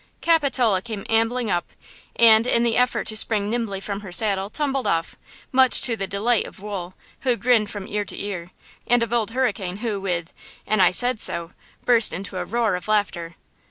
Capitola came ambling up, and in the effort to spring nimbly from her saddle tumbled off, much to the delight of Wool, who grinned from ear to ear, and of Old Hurricane, who, with an "I said so," burst into a roar of laughter.